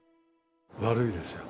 悪いですよ。